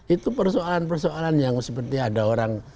itu persoalan persoalan yang seperti ada orang